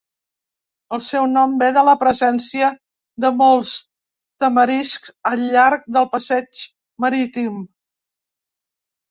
El seu nom ve de la presència de molts tamariscs al llarg del passeig marítim.